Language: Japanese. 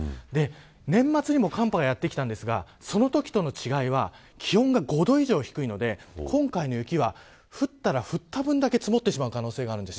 年末にも寒波がやってきたんですがそのときとの違いは気温が５度以上低いので今回の雪は降ったら降った分だけ積もってしまう可能性があります。